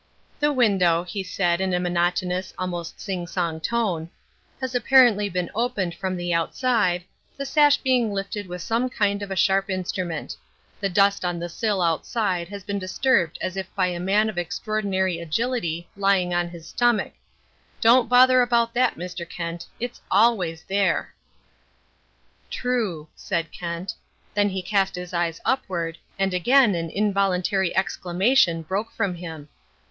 "The window," he said in a monotonous, almost sing song tone, "has apparently been opened from the outside, the sash being lifted with some kind of a sharp instrument. The dust on the sill outside has been disturbed as if by a man of extraordinary agility lying on his stomach Don't bother about that, Mr. Kent. It's always there." "True," said Kent. Then he cast his eyes upward, and again an involuntary exclamation broke from him.